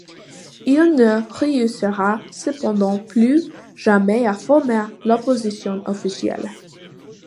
Il ne réussira cependant plus jamais à former l'opposition officielle.